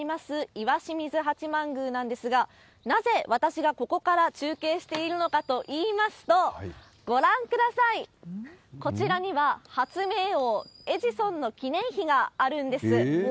石清水八幡宮なんですが、なぜ私がここから中継しているのかといいますと、ご覧ください、こちらには、発明王、エジソンの記念碑があるんです。